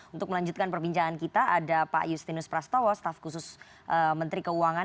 untuk melanjutkan perbincangan kita ada pak justinus prastowo staf khusus menteri keuangan